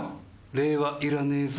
礼はいらねーぞ。